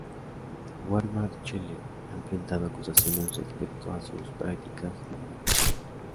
Walmart Chile ha enfrentado acusaciones respecto a sus prácticas laborales.